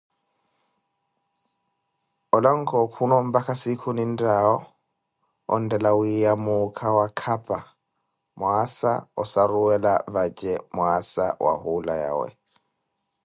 Olankha leelo mpakha siikhu ninttawo onttela wiiya muukha waKhapa, mwaasa asaruwela vace mwaasa wa hula yawe.